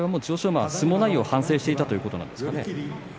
馬は相撲内容を反省していたということなんですかね。